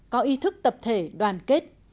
có ý thức tập thể đoàn kết